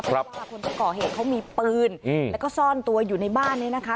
เพราะว่าคนที่ก่อเหตุเขามีปืนแล้วก็ซ่อนตัวอยู่ในบ้านนี้นะคะ